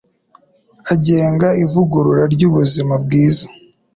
agenga ivugurura ry’ubuzima bwiza.